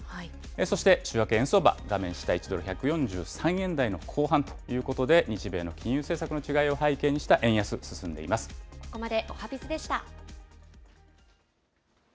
そして、週明け円相場、画面下、１ドル１４３円台の後半ということで、日米の金融政策の違いを背ここまでおはＢｉｚでした。